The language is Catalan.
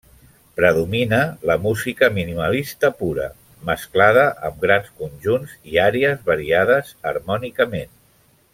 Predomina la música minimalista pura, mesclada amb grans conjunts i àries variades harmònicament.